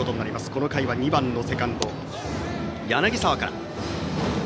この回は２番のセカンド、柳澤から。